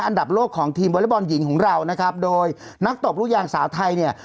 อันดับโลกของทีมวอเล็กบอลหญิงของเรานะครับโดยนักตบลูกยางสาวไทยเนี่ย